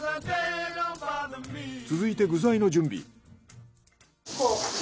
続いて具材の準備。